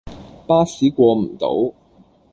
巴士過唔到